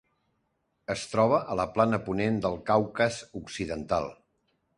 Es troba a la plana ponent del Caucas occidental.